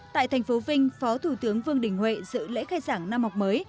tại thành phố vinh phó thủ tướng vương đình huệ dự lễ khai giảng năm học mới